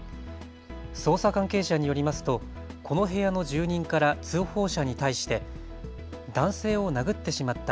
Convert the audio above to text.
捜査関係者によりますとこの部屋の住人から通報者に対して男性を殴ってしまった。